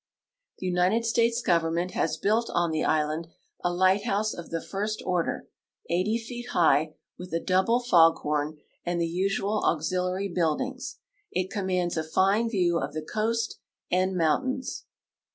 The United States Government has built on the island a light house of the first order, 80 feet high, with a double fog horn and the usual auxiliaiy buildings. It commands a fine view of the coast and mountains.